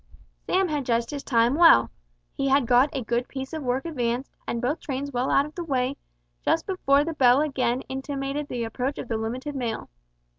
Sam had judged his time well. He had got a good piece of work advanced, and both trains well out of the way, just before the bell again intimated the approach of the limited mail.